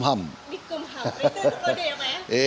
di kumham itu ada ya pak ya